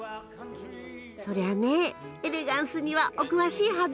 そりゃねエレガンスにはお詳しいはず！